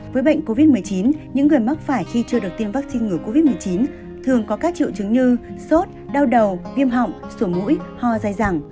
với bệnh covid một mươi chín những người mắc phải khi chưa được tiêm vaccine ngừa covid một mươi chín thường có các triệu chứng như sốt đau đầu viêm họng sổ mũi ho dài dẳng